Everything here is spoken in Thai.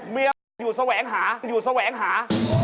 เมียอยู่แสวงหา